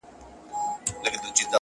د دغې نجلۍ دغسې خندا ده په وجود کي;